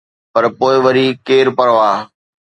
پر پوءِ وري، ڪير پرواهه؟